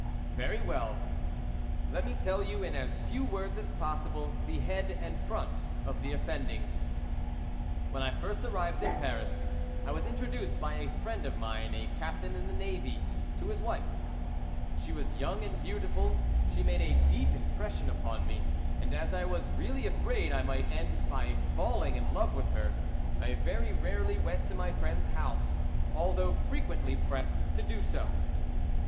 "Very well, let me tell you in as few words as possible, the head and front of the offending. "When I first arrived in Paris I was introduced by a friend of mine, a captain in the navy, to his wife. She was young and beautiful. She made a deep impression upon me, and as I was really afraid I might end by falling in love with her, I very rarely went to my friend's house, although frequently pressed to do so.